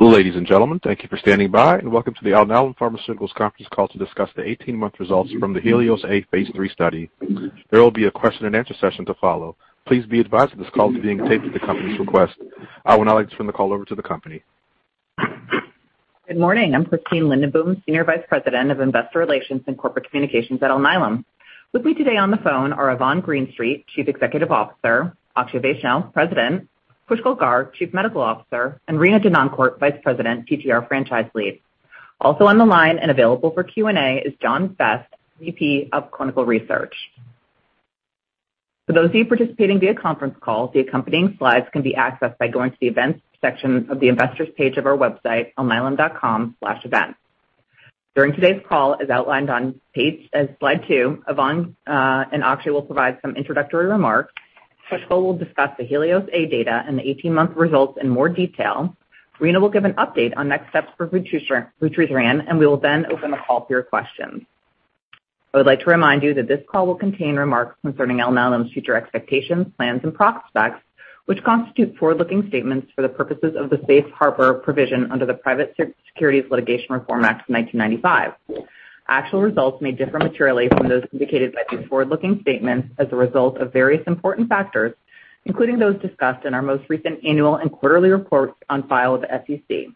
Ladies and gentlemen, thank you for standing by, and welcome to the Alnylam Pharmaceuticals Conference Call to discuss the 18-month results from the HELIOS-A Phase III study. There will be a question-and-answer session to follow. Please be advised that this call is being taped at the company's request. I would now like to turn the call over to the company. Good morning. I'm Christine Lindenboom, Senior Vice President of Investor Relations and Corporate Communications at Alnylam. With me today on the phone are Yvonne Greenstreet, Chief Executive Officer, Akshay Vaishnaw, President, Pushkal Garg, Chief Medical Officer, and Rena Denoncourt, Vice President, TTR Franchise Lead. Also on the line and available for Q&A is John Vest, VP of Clinical Research. For those of you participating via conference call, the accompanying slides can be accessed by going to the Events section of the Investors page of our website, alnylam.com/events. During today's call, as outlined on slide two, Yvonne and Akshay will provide some introductory remarks. Pushkal will discuss the HELIOS-A data and the 18-month results in more detail. Rena will give an update on next steps for vutrisiran, and we will then open the call for your questions. I would like to remind you that this call will contain remarks concerning Alnylam's future expectations, plans, and prospects, which constitute forward-looking statements for the purposes of the Safe Harbor provision under the Private Securities Litigation Reform Act of 1995. Actual results may differ materially from those indicated by these forward-looking statements as a result of various important factors, including those discussed in our most recent annual and quarterly reports on file with the SEC.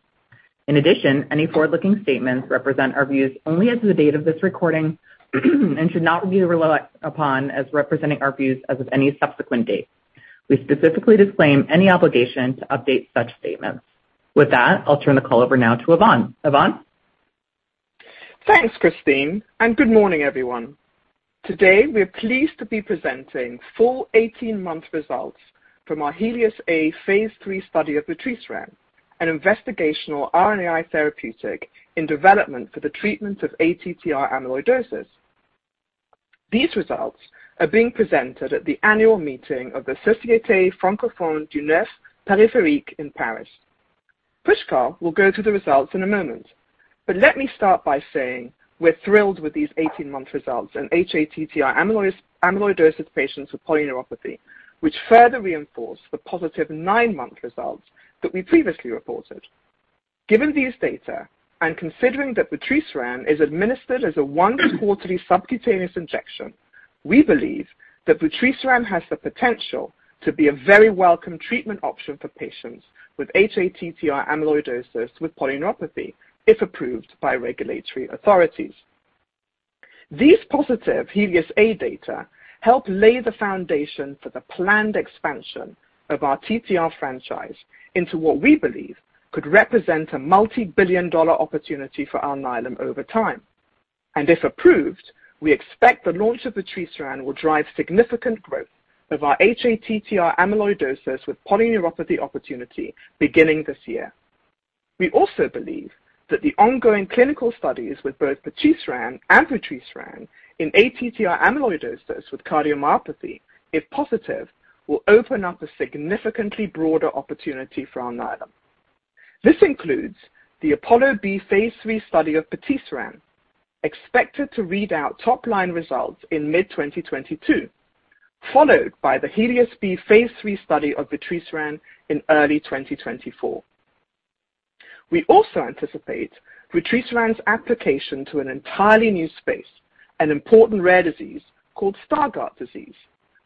In addition, any forward-looking statements represent our views only as of the date of this recording and should not be relied upon as representing our views as of any subsequent date. We specifically disclaim any obligation to update such statements. With that, I'll turn the call over now to Yvonne. Yvonne? Thanks, Christine, and good morning, everyone. Today, we're pleased to be presenting full 18-month results from our HELIOS-A Phase III study of vutrisiran, an investigational RNAi therapeutic in development for the treatment of ATTR amyloidosis. These results are being presented at the annual meeting of the Société Francophone du Nerf Périphérique in Paris. Pushkal will go through the results in a moment, but let me start by saying we're thrilled with these 18-month results in hATTR amyloidosis patients with polyneuropathy, which further reinforce the positive nine-month results that we previously reported. Given these data, and considering that vutrisiran is administered as a once-quarterly subcutaneous injection, we believe that vutrisiran has the potential to be a very welcome treatment option for patients with hATTR amyloidosis with polyneuropathy, if approved by regulatory authorities. These positive HELIOS-A data help lay the foundation for the planned expansion of our TTR franchise into what we believe could represent a multi-billion dollar opportunity for Alnylam over time. And if approved, we expect the launch of vutrisiran will drive significant growth of our hATTR amyloidosis with polyneuropathy opportunity beginning this year. We also believe that the ongoing clinical studies with both patisiran and vutrisiran in ATTR amyloidosis with cardiomyopathy, if positive, will open up a significantly broader opportunity for Alnylam. This includes the APOLLO-B Phase III study of patisiran, expected to read out top-line results in mid-2022, followed by the HELIOS-B Phase III study of vutrisiran in early 2024. We also anticipate vutrisiran's application to an entirely new space, an important rare disease called Stargardt disease,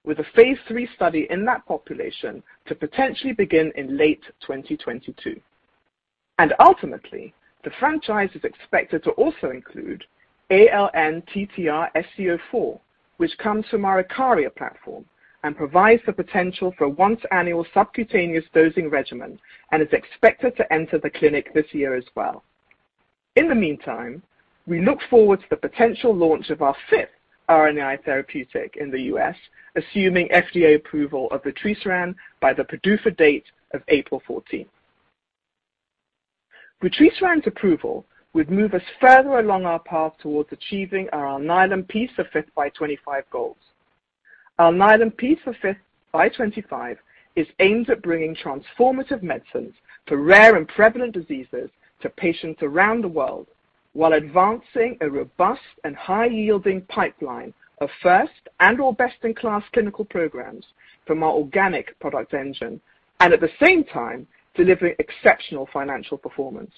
with a Phase 3 study in that population to potentially begin in late 2022. Ultimately, the franchise is expected to also include ALN-TTRsc04, which comes from our IKARIA platform and provides the potential for a once-annual subcutaneous dosing regimen and is expected to enter the clinic this year as well. In the meantime, we look forward to the potential launch of our fifth RNAi therapeutic in the U.S., assuming FDA approval of vutrisiran by the PDUFA date of April 14. Vutrisiran's approval would move us further along our path towards achieving our Alnylam P5x25 goals. Alnylam P5x25 is aimed at bringing transformative medicines for rare and prevalent diseases to patients around the world while advancing a robust and high-yielding pipeline of first and/or best-in-class clinical programs from our organic product engine, and at the same time, delivering exceptional financial performance.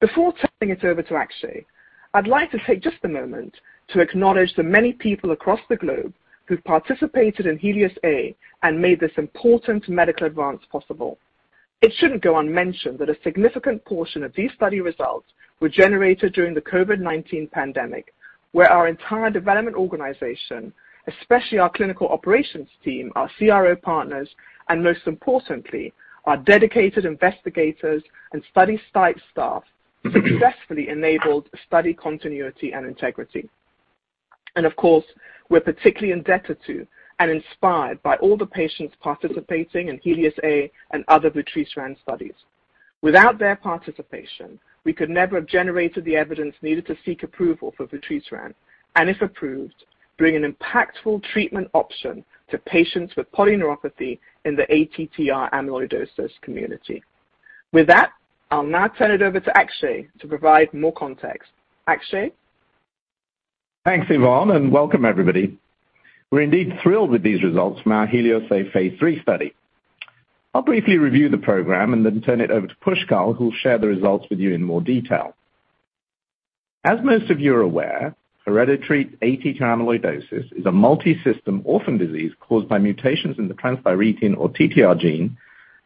Before turning it over to Akshay, I'd like to take just a moment to acknowledge the many people across the globe who've participated in HELIOS-A and made this important medical advance possible. It shouldn't go unmentioned that a significant portion of these study results were generated during the COVID-19 pandemic, where our entire development organization, especially our clinical operations team, our CRO partners, and most importantly, our dedicated investigators and study site staff successfully enabled study continuity and integrity, and of course, we're particularly indebted to and inspired by all the patients participating in HELIOS-A and other vutrisiran studies. Without their participation, we could never have generated the evidence needed to seek approval for vutrisiran and, if approved, bring an impactful treatment option to patients with polyneuropathy in the ATTR amyloidosis community. With that, I'll now turn it over to Akshay to provide more context. Akshay? Thanks, Yvonne, and welcome, everybody. We're indeed thrilled with these results from our HELIOS-A Phase III study. I'll briefly review the program and then turn it over to Pushkal, who will share the results with you in more detail. As most of you are aware, hereditary ATTR amyloidosis is a multisystem orphan disease caused by mutations in the transthyretin or TTR gene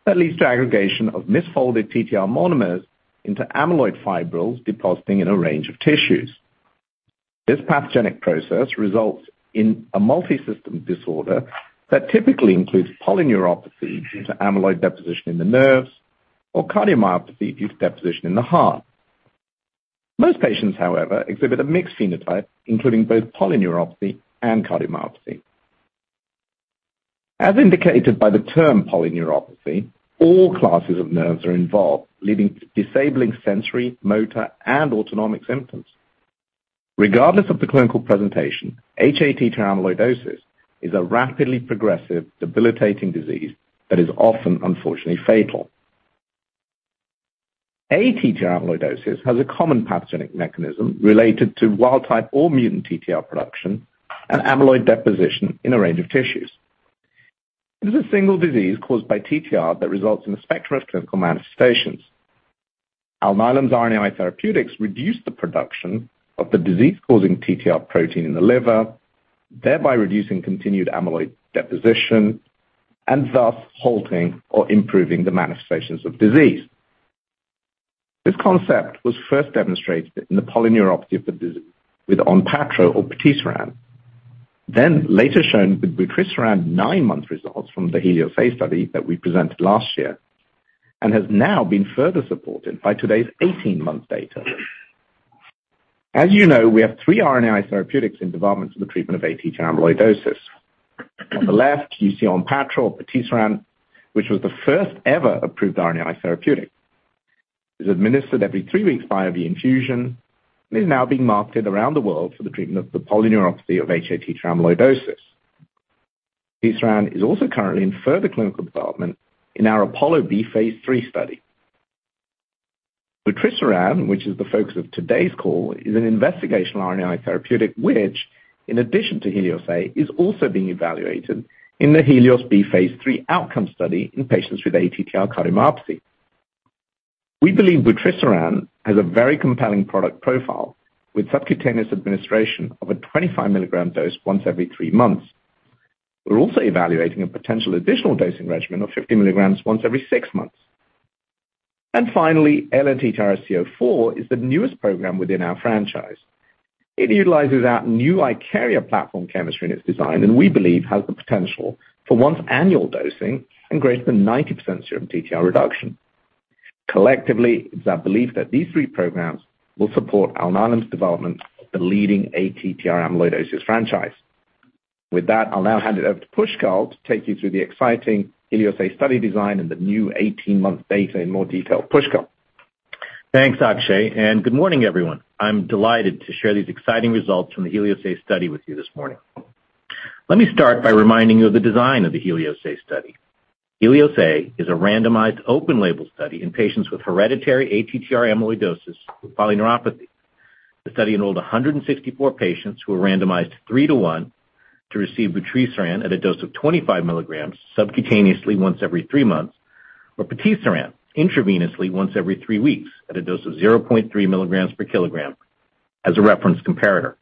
that leads to aggregation of misfolded TTR monomers into amyloid fibrils depositing in a range of tissues. This pathogenic process results in a multisystem disorder that typically includes polyneuropathy due to amyloid deposition in the nerves or cardiomyopathy due to deposition in the heart. Most patients, however, exhibit a mixed phenotype, including both polyneuropathy and cardiomyopathy. As indicated by the term polyneuropathy, all Classes of nerves are involved, leading to disabling sensory, motor, and autonomic symptoms. Regardless of the clinical presentation, hATTR amyloidosis is a rapidly progressive, debilitating disease that is often, unfortunately, fatal. ATTR amyloidosis has a common pathogenic mechanism related to wild-type or mutant TTR production and amyloid deposition in a range of tissues. It is a single disease caused by TTR that results in a spectrum of clinical manifestations. Alnylam's RNAi therapeutics reduce the production of the disease-causing TTR protein in the liver, thereby reducing continued amyloid deposition and thus halting or improving the manifestations of disease. This concept was first demonstrated in the polyneuropathy of the disease with Onpattro or patisiran, then later shown with vutrisiran nine-month results from the HELIOS-A study that we presented last year, and has now been further supported by today's 18-month data. As you know, we have three RNAi therapeutics in development for the treatment of ATTR amyloidosis. On the left, you see Onpattro or patisiran, which was the first-ever approved RNAi therapeutic. It is administered every three weeks via the infusion, and is now being marketed around the world for the treatment of the polyneuropathy of hATTR amyloidosis. Patisiran is also currently in further clinical development in our APOLLO-B Phase III study. Vutrisiran, which is the focus of today's call, is an investigational RNAi therapeutic which, in addition to HELIOS-A, is also being evaluated in the HELIOS-B Phase III outcome study in patients with ATTR cardiomyopathy. We believe vutrisiran has a very compelling product profile with subcutaneous administration of a 25-milligram dose once every three months. We're also evaluating a potential additional dosing regimen of 50 milligrams once every six months. Finally, ALN-TTRsc04 is the newest program within our franchise. It utilizes our new IKARIA platform chemistry in its design, and we believe has the potential for once-annual dosing and greater than 90% serum TTR reduction. Collectively, it's our belief that these three programs will support Alnylam's development of the leading ATTR amyloidosis franchise. With that, I'll now hand it over to Pushkal to take you through the exciting HELIOS-A study design and the new 18-month data in more detail. Pushkal. Thanks, Akshay, and good morning, everyone. I'm delighted to share these exciting results from the HELIOS-A study with you this morning. Let me start by reminding you of the design of the HELIOS-A study. HELIOS-A is a randomized open-label study in patients with hereditary ATTR amyloidosis with polyneuropathy. The study enrolled 164 patients who were randomized three to one to receive vutrisiran at a dose of 25 milligrams subcutaneously once every three months, or patisiran intravenously once every three weeks at a dose of 0.3 milligrams per kilogram as a reference comparator.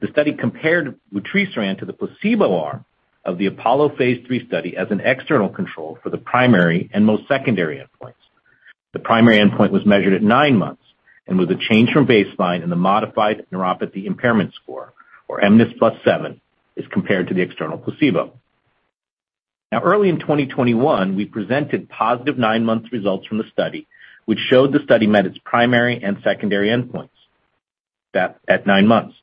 The study compared vutrisiran to the placebo arm of the APOLLO Phase III study as an external control for the primary and most secondary endpoints. The primary endpoint was measured at nine months, the change from baseline in the modified neuropathy impairment score, or mNIS+7, compared to the external placebo. Now, early in 2021, we presented positive nine-month results from the study, which showed the study met its primary and secondary endpoints at nine months.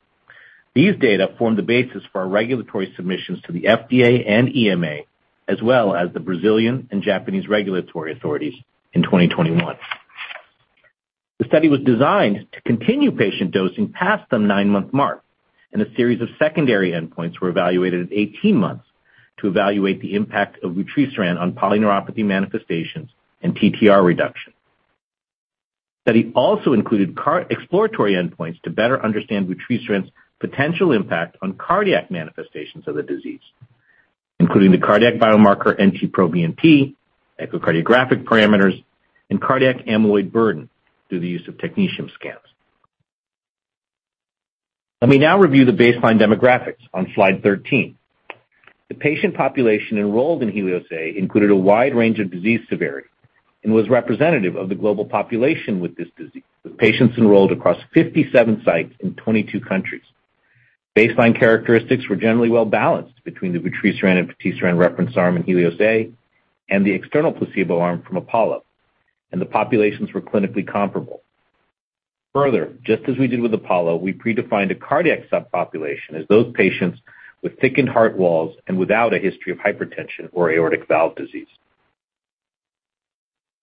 These data formed the basis for our regulatory submissions to the FDA and EMA, as well as the Brazilian and Japanese regulatory authorities in 2021. The study was designed to continue patient dosing past the nine-month mark, and a series of secondary endpoints were evaluated at 18 months to evaluate the impact of vutrisiran on polyneuropathy manifestations and TTR reduction. The study also included exploratory endpoints to better understand vutrisiran's potential impact on cardiac manifestations of the disease, including the cardiac biomarker NT-proBNP, echocardiographic parameters, and cardiac amyloid burden through the use of technetium scans. Let me now review the baseline demographics on slide 13. The patient population enrolled in HELIOS-A included a wide range of disease severity and was representative of the global population with patients enrolled across 57 sites in 22 countries. Baseline characteristics were generally well-balanced between the vutrisiran and patisiran reference arm in HELIOS-A and the external placebo arm from APOLLO, and the populations were clinically comparable. Further, just as we did with APOLLO, we predefined a cardiac subpopulation as those patients with thickened heart walls and without a history of hypertension or aortic valve disease.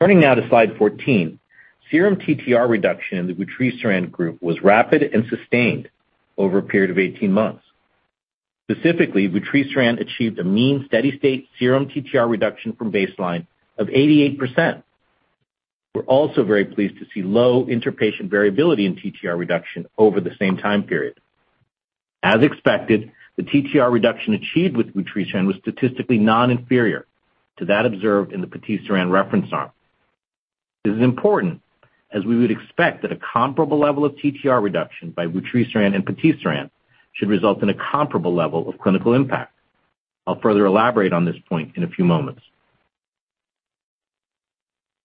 Turning now to slide 14, serum TTR reduction in the vutrisiran group was rapid and sustained over a period of 18 months. Specifically, vutrisiran achieved a mean steady-state serum TTR reduction from baseline of 88%. We're also very pleased to see low interpatient variability in TTR reduction over the same time period. As expected, the TTR reduction achieved with vutrisiran was statistically non-inferior to that observed in the patisiran reference arm. This is important, as we would expect that a comparable level of TTR reduction by vutrisiran and patisiran should result in a comparable level of clinical impact. I'll further elaborate on this point in a few moments.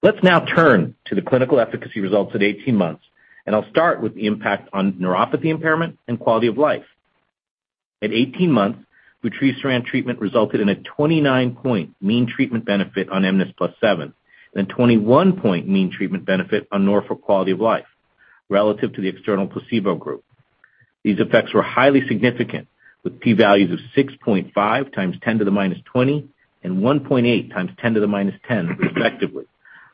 Let's now turn to the clinical efficacy results at 18 months, and I'll start with the impact on neuropathy impairment and quality of life. At 18 months, vutrisiran treatment resulted in a 29-point mean treatment benefit on mNIS+7 and a 21-point mean treatment benefit on Norfolk Quality of Life relative to the external placebo group. These effects were highly significant, with P-values of 6.5 times 10 to the minus 20 and 1.8 times 10 to the minus 10, respectively,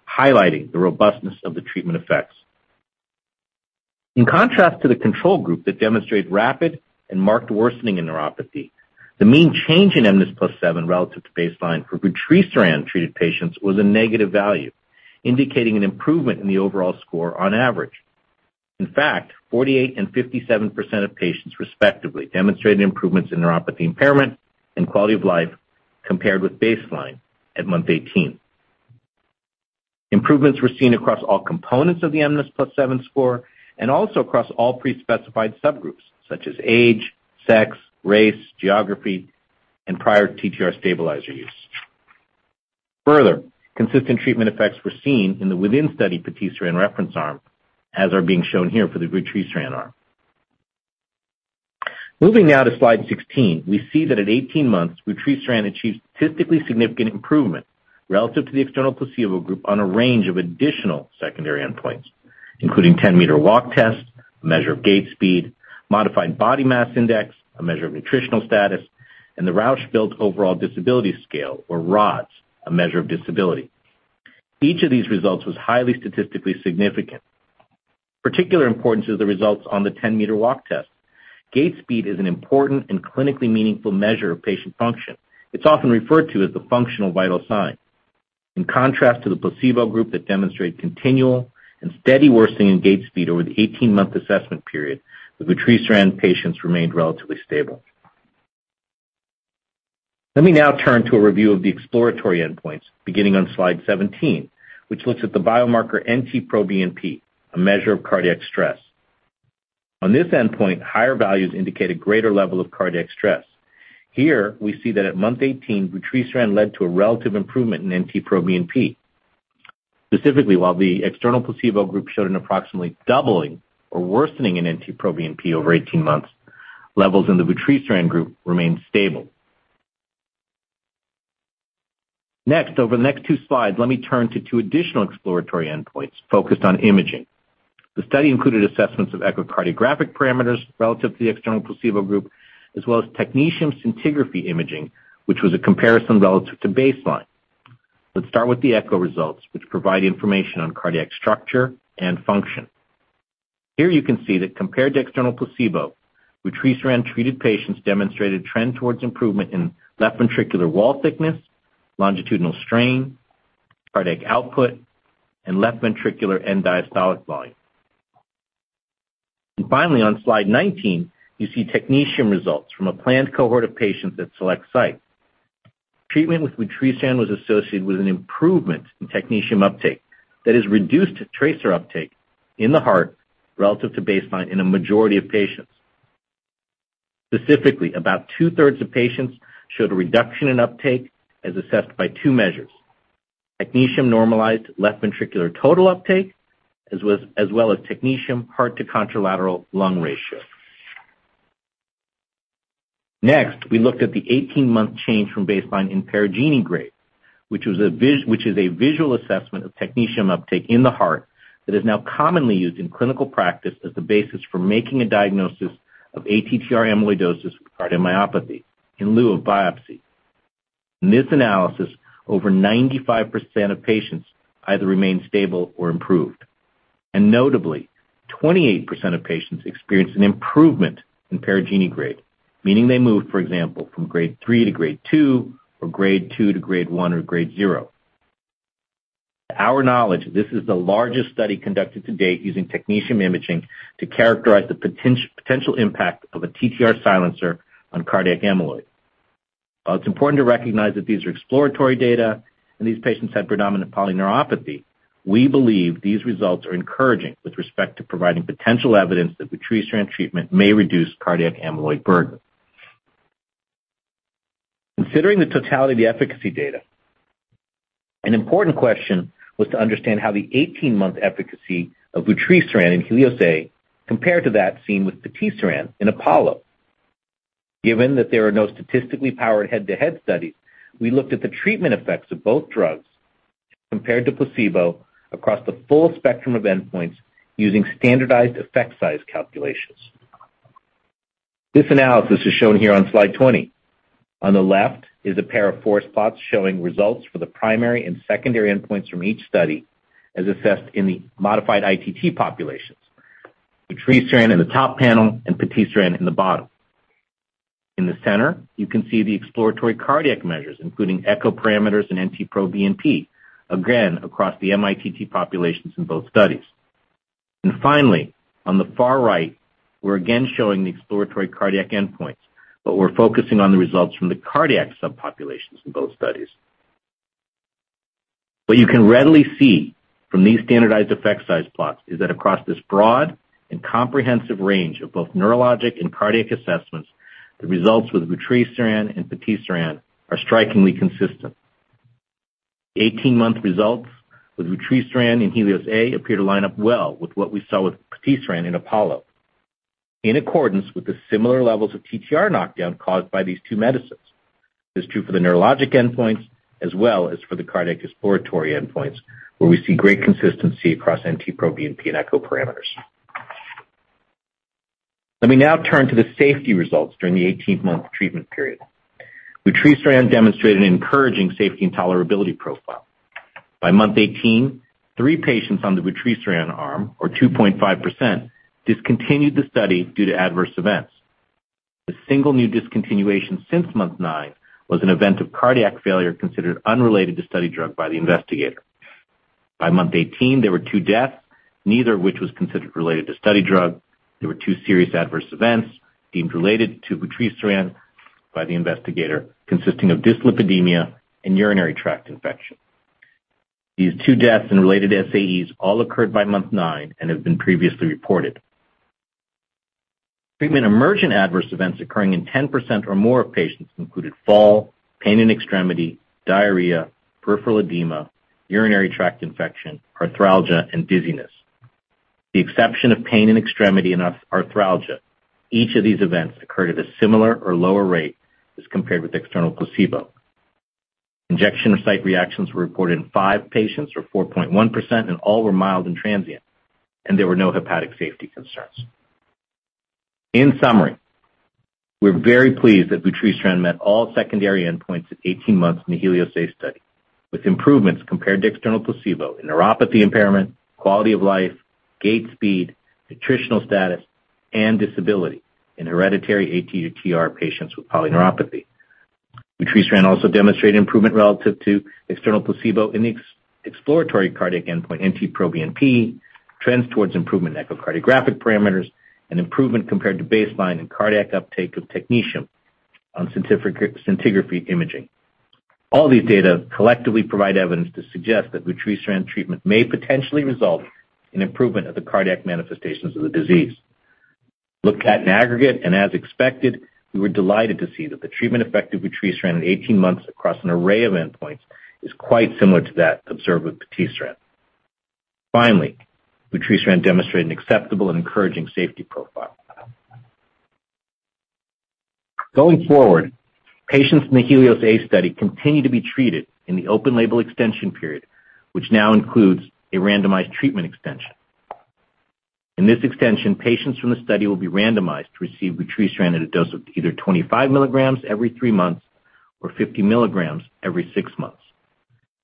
highlighting the robustness of the treatment effects. In contrast to the control group that demonstrated rapid and marked worsening in neuropathy, the mean change in mNIS+7 relative to baseline for vutrisiran-treated patients was a negative value, indicating an improvement in the overall score on average. In fact, 48% and 57% of patients, respectively, demonstrated improvements in neuropathy impairment and quality of life compared with baseline at month 18. Improvements were seen across all components of the mNIS+7 score and also across all pre-specified subgroups, such as age, sex, race, geography, and prior TTR stabilizer use. Further, consistent treatment effects were seen in the within-study patisiran reference arm, as are being shown here for the vutrisiran arm. Moving now to slide 16, we see that at 18 months, vutrisiran achieved statistically significant improvement relative to the external placebo group on a range of additional secondary endpoints, including 10-meter walk test, a measure of gait speed, modified body mass index, a measure of nutritional status, and the Rasch-built Overall Disability Scale, or RODS, a measure of disability. Each of these results was highly statistically significant. Particular importance is the results on the 10-meter walk test. Gait speed is an important and clinically meaningful measure of patient function. It's often referred to as the functional vital sign. In contrast to the placebo group that demonstrated continual and steady worsening in gait speed over the 18-month assessment period, the vutrisiran patients remained relatively stable. Let me now turn to a review of the exploratory endpoints, beginning on slide 17, which looks at the biomarker NT-proBNP, a measure of cardiac stress. On this endpoint, higher values indicate a greater level of cardiac stress. Here, we see that at month 18, vutrisiran led to a relative improvement in NT-proBNP. Specifically, while the external placebo group showed an approximately doubling or worsening in NT-proBNP over 18 months, levels in the vutrisiran group remained stable. Next, over the next two slides, let me turn to two additional exploratory endpoints focused on imaging. The study included assessments of echocardiographic parameters relative to the external placebo group, as well as technetium scintigraphy imaging, which was a comparison relative to baseline. Let's start with the echo results, which provide information on cardiac structure and function. Here you can see that compared to external placebo, vutrisiran-treated patients demonstrated a trend towards improvement in left ventricular wall thickness, longitudinal strain, cardiac output, and left ventricular end-diastolic volume. And finally, on slide 19, you see technetium results from a planned cohort of patients at select sites. Treatment with vutrisiran was associated with an improvement in technetium uptake that has reduced tracer uptake in the heart relative to baseline in a majority of patients. Specifically, about two-thirds of patients showed a reduction in uptake as assessed by two measures: technetium normalized left ventricular total uptake, as well as technetium heart-to-contralateral lung ratio. Next, we looked at the 18-month change from baseline in Perugini Grade, which is a visual assessment of technetium uptake in the heart that is now commonly used in clinical practice as the basis for making a diagnosis of ATTR amyloidosis with cardiomyopathy in lieu of biopsy. In this analysis, over 95% of patients either remained stable or improved, and notably, 28% of patients experienced an improvement in Perugini Grade, meaning they moved, for example, from grade 3 to grade 2, or grade 2 to grade 1, or grade 0. To our knowledge, this is the largest study conducted to date using technetium imaging to characterize the potential impact of a TTR silencer on cardiac amyloid. While it's important to recognize that these are exploratory data and these patients had predominant polyneuropathy, we believe these results are encouraging with respect to providing potential evidence that vutrisiran treatment may reduce cardiac amyloid burden. Considering the totality of the efficacy data, an important question was to understand how the 18-month efficacy of vutrisiran and HELIOS-A compared to that seen with patisiran and APOLLO. Given that there are no statistically powered head-to-head studies, we looked at the treatment effects of both drugs compared to placebo across the full spectrum of endpoints using standardized effect size calculations. This analysis is shown here on slide 20. On the left is a pair of Forest plots showing results for the primary and secondary endpoints from each study as assessed in the modified ITT populations: Vutrisiran in the top panel and patisiran in the bottom. In the center, you can see the exploratory cardiac measures, including echo parameters and NT-proBNP, again across the MITT populations in both studies. And finally, on the far right, we're again showing the exploratory cardiac endpoints, but we're focusing on the results from the cardiac subpopulations in both studies. What you can readily see from these standardized effect size plots is that across this broad and comprehensive range of both neurologic and cardiac assessments, the results with vutrisiran and patisiran are strikingly consistent. 18-month results with vutrisiran and HELIOS-A appear to line up well with what we saw with patisiran and APOLLO, in accordance with the similar levels of TTR knockdown caused by these two medicines. This is true for the neurologic endpoints as well as for the cardiac exploratory endpoints, where we see great consistency across NT-proBNP and echo parameters. Let me now turn to the safety results during the 18-month treatment period. Vutrisiran demonstrated an encouraging safety and tolerability profile. By month 18, three patients on the vutrisiran arm, or 2.5%, discontinued the study due to adverse events. A single new discontinuation since month 9 was an event of cardiac failure considered unrelated to study drug by the investigator. By month 18, there were two deaths, neither of which was considered related to study drug. There were two serious adverse events deemed related to vutrisiran by the investigator, consisting of dyslipidemia and urinary tract infection. These two deaths and related SAEs all occurred by month 9 and have been previously reported. Treatment emergent adverse events occurring in 10% or more of patients included fall, pain in extremity, diarrhea, peripheral edema, urinary tract infection, arthralgia, and dizziness. The exception of pain in extremity and arthralgia, each of these events occurred at a similar or lower rate as compared with external placebo. Injection site reactions were reported in five patients, or 4.1%, and all were mild and transient, and there were no hepatic safety concerns. In summary, we're very pleased that vutrisiran met all secondary endpoints at 18 months in the HELIOS-A study, with improvements compared to external placebo in neuropathy impairment, quality of life, gait speed, nutritional status, and disability in hereditary ATTR patients with polyneuropathy. Vutrisiran also demonstrated improvement relative to external placebo in the exploratory cardiac endpoint NT-proBNP, trends towards improvement in echocardiographic parameters, and improvement compared to baseline in cardiac uptake of technetium on scintigraphy imaging. All these data collectively provide evidence to suggest that vutrisiran treatment may potentially result in improvement of the cardiac manifestations of the disease. Looked at in aggregate, and as expected, we were delighted to see that the treatment effect of vutrisiran at 18 months across an array of endpoints is quite similar to that observed with patisiran. Finally, vutrisiran demonstrated an acceptable and encouraging safety profile. Going forward, patients in the HELIOS-A study continue to be treated in the open-label extension period, which now includes a randomized treatment extension. In this extension, patients from the study will be randomized to receive vutrisiran at a dose of either 25 milligrams every three months or 50 milligrams every six months.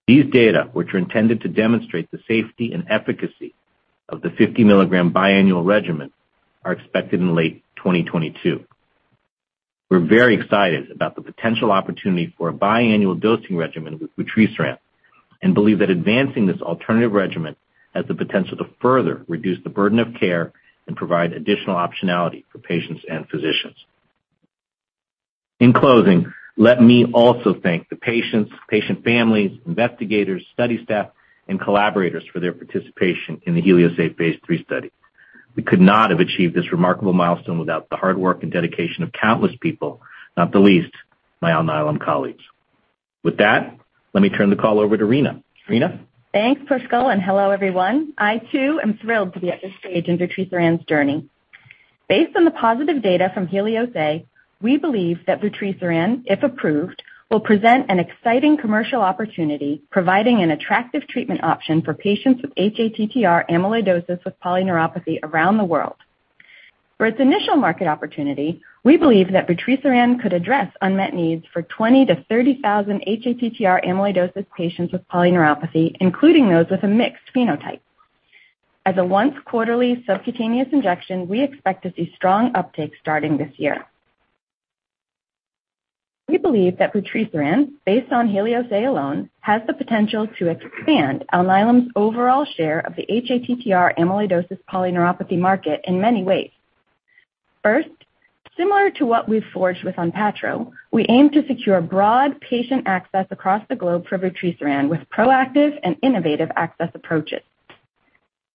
These data, which are intended to demonstrate the safety and efficacy of the 50-milligram biannual regimen, are expected in late 2022. We're very excited about the potential opportunity for a biannual dosing regimen with vutrisiran and believe that advancing this alternative regimen has the potential to further reduce the burden of care and provide additional optionality for patients and physicians. In closing, let me also thank the patients, patient families, investigators, study staff, and collaborators for their participation in the HELIOS-A Phase III study. We could not have achieved this remarkable milestone without the hard work and dedication of countless people, not the least my Alnylam colleagues. With that, let me turn the call over to Rena. Rena. Thanks, Pushkal, and hello, everyone. I, too, am thrilled to be at this stage in vutrisiran's journey. Based on the positive data from HELIOS-A, we believe that vutrisiran, if approved, will present an exciting commercial opportunity, providing an attractive treatment option for patients with hATTR amyloidosis with polyneuropathy around the world. For its initial market opportunity, we believe that vutrisiran could address unmet needs for 20,000 to30,000 hATTR amyloidosis patients with polyneuropathy, including those with a mixed phenotype. As a once-quarterly subcutaneous injection, we expect to see strong uptake starting this year. We believe that vutrisiran, based on HELIOS-A alone, has the potential to expand Alnylam's overall share of the hATTR amyloidosis polyneuropathy market in many ways. First, similar to what we've forged with Onpattro, we aim to secure broad patient access across the globe for vutrisiran with proactive and innovative access approaches.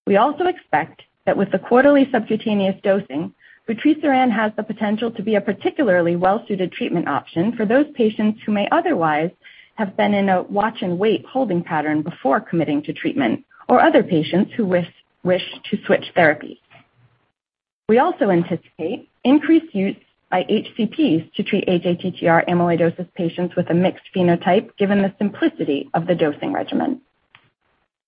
We also expect that with the quarterly subcutaneous dosing, vutrisiran has the potential to be a particularly well-suited treatment option for those patients who may otherwise have been in a watch-and-wait holding pattern before committing to treatment, or other patients who wish to switch therapies. We also anticipate increased use by HCPs to treat hATTR amyloidosis patients with a mixed phenotype, given the simplicity of the dosing regimen.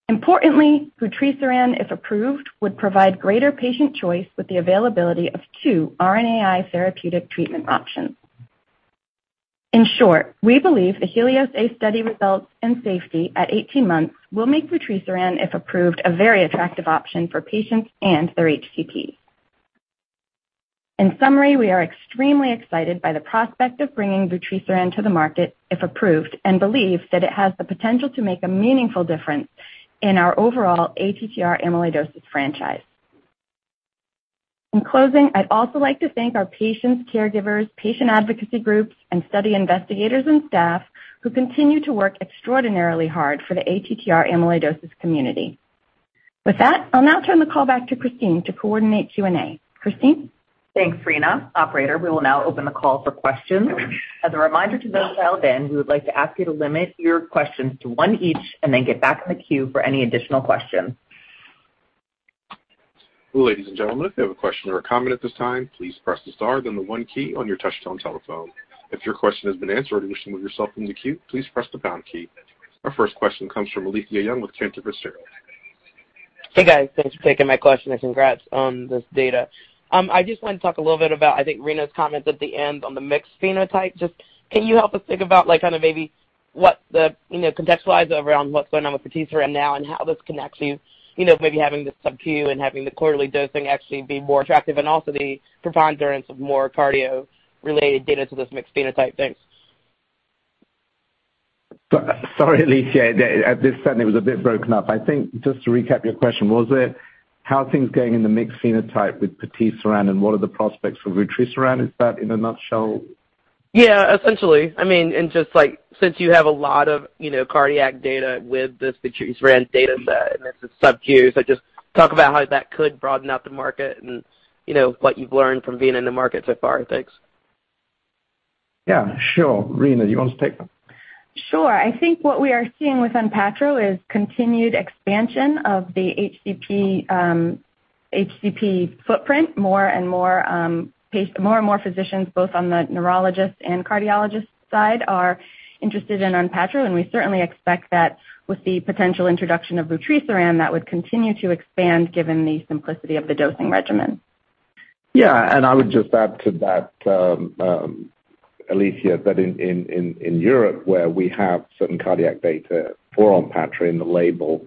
Importantly, vutrisiran, if approved, would provide greater patient choice with the availability of two RNAi therapeutic treatment options. In short, we believe the HELIOS-A study results and safety at 18 months will make vutrisiran, if approved, a very attractive option for patients and their HCPs. In summary, we are extremely excited by the prospect of bringing vutrisiran to the market, if approved, and believe that it has the potential to make a meaningful difference in our overall ATTR amyloidosis franchise. In closing, I'd also like to thank our patients, caregivers, patient advocacy groups, and study investigators and staff who continue to work extraordinarily hard for the ATTR amyloidosis community. With that, I'll now turn the call back to Christine to coordinate Q&A. Christine. Thanks, Rena. Operator, we will now open the call for questions. As a reminder to those dialed in, we would like to ask you to limit your questions to one each and then get back in the queue for any additional questions. Ladies and gentlemen, if you have a question or a comment at this time, please press the star, then the one key on your touch-tone telephone. If your question has been answered or you wish to move yourself into the queue, please press the pound key. Our first question comes from Alethia Young with Cantor Fitzgerald. Hey, guys. Thanks for taking my question and congrats on this data. I just wanted to talk a little bit about, I think, Rena's comments at the end on the mixed phenotype. Just can you help us think about kind of maybe what the contextualize around what's going on with vutrisiran now and how this connects to maybe having this subgroup and having the quarterly dosing actually be more attractive and also the preponderance of more cardio-related data to this mixed phenotype? Thanks. Sorry, Alethia. At this time, it was a bit broken up. I think just to recap your question, was it how's things going in the mixed phenotype with patisiran and what are the prospects for vutrisiran? Is that in a nutshell? Yeah, essentially. I mean, and just since you have a lot of cardiac data with this vutrisiran data set and it's a subgroup, so just talk about how that could broaden out the market and what you've learned from being in the market so far. Thanks. Yeah, sure. Rena, you want to take that? Sure. I think what we are seeing with Onpattro is continued expansion of the HCP footprint. More and more physicians, both on the neurologist and cardiologist side, are interested in Onpattro, and we certainly expect that with the potential introduction of vutrisiran, that would continue to expand given the simplicity of the dosing regimen. Yeah. And I would just add to that, Alethia, that in Europe, where we have certain cardiac data for Onpattro in the label,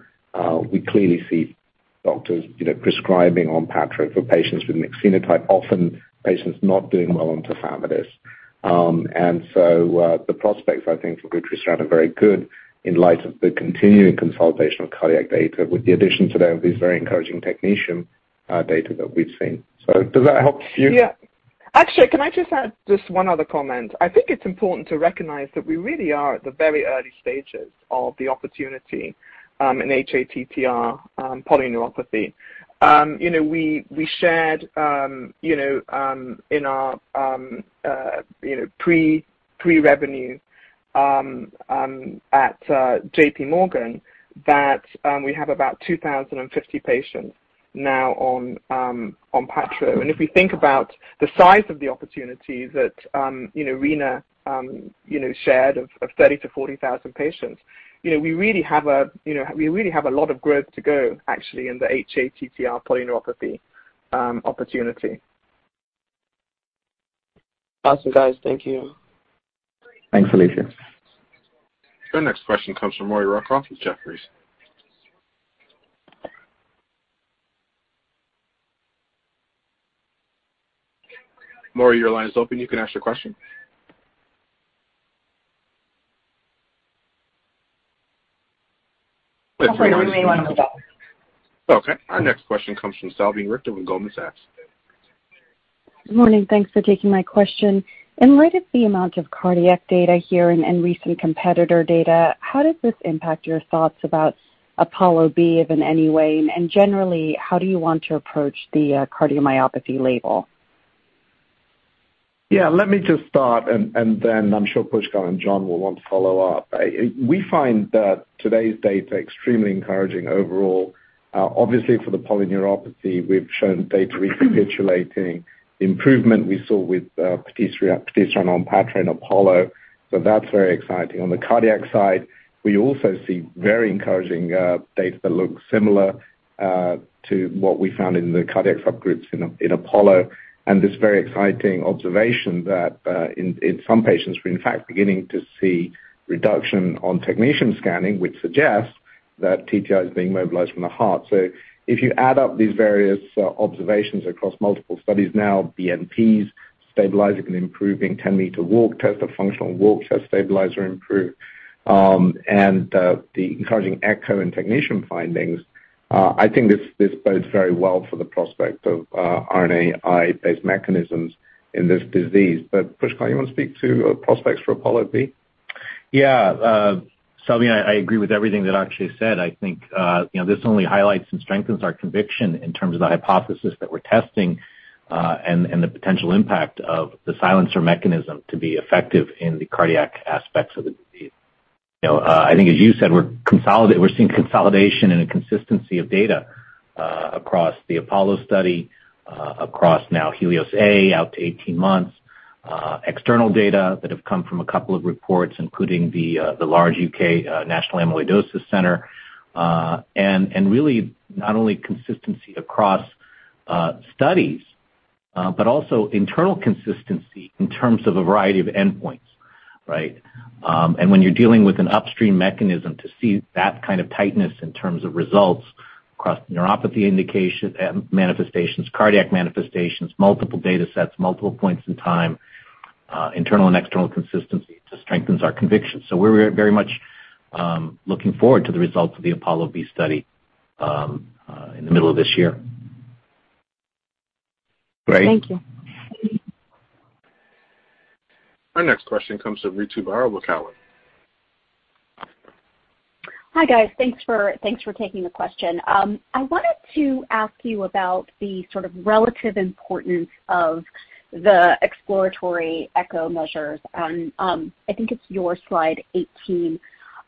we clearly see doctors prescribing Onpattro for patients with mixed phenotype, often patients not doing well on tafamidis. And so the prospects, I think, for Vutrisiran are very good in light of the continuing consolidation of cardiac data with the addition today of these very encouraging technetium data that we've seen. So does that help you? Yeah. Actually, can I just add just one other comment? I think it's important to recognize that we really are at the very early stages of the opportunity in hATTR polyneuropathy. We shared in our presentation at J.P. Morgan that we have about 2,050 patients now on Onpattro. If we think about the size of the opportunity that Rena shared of 30,000-40,000 patients, we really have a lot of growth to go, actually, in the hATTR polyneuropathy opportunity. Awesome, guys. Thank you. Thanks, Alethia. The next question comes from Maury Raycroft with Jefferies. Maury, your line is open. You can ask your question. Good morning. I'm Rena. Okay. Our next question comes from Salveen Richter with Goldman Sachs. Good morning. Thanks for taking my question. In light of the amount of cardiac data here and recent competitor data, how does this impact your thoughts about APOLLO-B, if in any way? And generally, how do you want to approach the cardiomyopathy label? Yeah. Let me just start, and then I'm sure Pushkal and John will want to follow up. We find that today's data is extremely encouraging overall. Obviously, for the polyneuropathy, we've shown data recapitulating the improvement we saw with patisiran on Onpattro and APOLLO. So that's very exciting. On the cardiac side, we also see very encouraging data that looks similar to what we found in the cardiac subgroups in APOLLO. And this very exciting observation that in some patients, we're in fact beginning to see reduction on technetium scanning, which suggests that TTR is being mobilized from the heart. So if you add up these various observations across multiple studies now, BNPs, stabilizing and improving 10-meter walk test, a functional walk test stabilizer improved, and the encouraging echo and technetium findings, I think this bodes very well for the prospect of RNAi-based mechanisms in this disease. But Pushkal, you want to speak to prospects for APOLLO-B? Yeah. Salveen, I agree with everything that Akshay said. I think this only highlights and strengthens our conviction in terms of the hypothesis that we're testing and the potential impact of the silencer mechanism to be effective in the cardiac aspects of the disease. I think, as you said, we're seeing consolidation and a consistency of data across the APOLLO study, across now HELIOS-A out to 18 months, external data that have come from a couple of reports, including the large U.K. National Amyloidosis Centre, and really not only consistency across studies, but also internal consistency in terms of a variety of endpoints, right, and when you're dealing with an upstream mechanism to see that kind of tightness in terms of results across neuropathy manifestations, cardiac manifestations, multiple data sets, multiple points in time, internal and external consistency, it just strengthens our conviction. We're very much looking forward to the results of the APOLLO-B study in the middle of this year. Great. Thank you. Our next question comes from Ritu Baral with Cowen. Hi, guys. Thanks for taking the question. I wanted to ask you about the sort of relative importance of the exploratory echo measures. And I think it's your slide 18.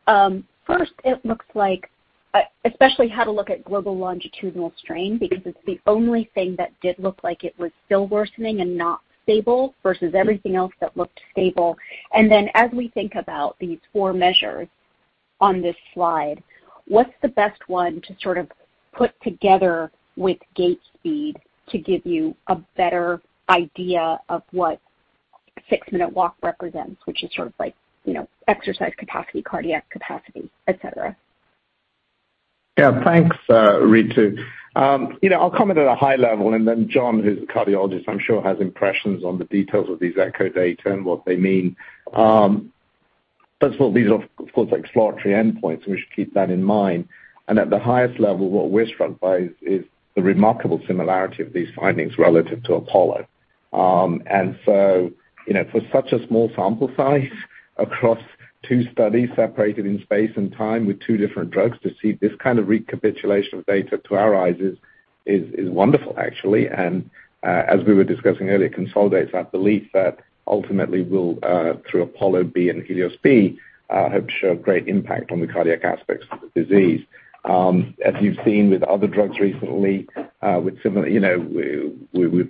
First, it looks like, especially how to look at global longitudinal strain, because it's the only thing that did look like it was still worsening and not stable versus everything else that looked stable. And then as we think about these four measures on this slide, what's the best one to sort of put together with gait speed to give you a better idea of what six-minute walk represents, which is sort of like exercise capacity, cardiac capacity, etc.? Yeah. Thanks, Ritu. I'll comment at a high level, and then John, who's a cardiologist, I'm sure has impressions on the details of these echo data and what they mean. First of all, these are, of course, exploratory endpoints, and we should keep that in mind. And at the highest level, what we're struck by is the remarkable similarity of these findings relative to APOLLO. And so for such a small sample size across two studies separated in space and time with two different drugs, to see this kind of recapitulation of data to our eyes is wonderful, actually. And as we were discussing earlier, consolidates that belief that ultimately we'll, through APOLLO-B and HELIOS-B, hope to show a great impact on the cardiac aspects of the disease. As you've seen with other drugs recently, we've